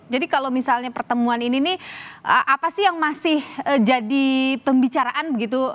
jadi kalau misalnya pertemuan ini apa sih yang masih jadi pembicaraan